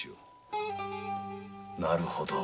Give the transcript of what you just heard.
なるほど。